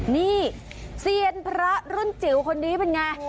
นี่เซียนพระรุ่นจิ๋วคนนี้เป็นไง